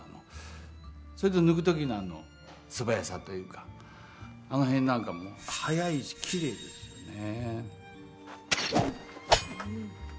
そこから抜くときの素早さというかあの辺なんかもう速いし、きれいですよね。